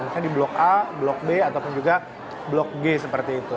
misalnya di blok a blok b ataupun juga blok g seperti itu